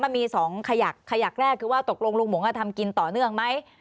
มันมี๒ขยักขยักแรกคือว่าตกลงลุงหมงทำกินต่อเนื่องไหม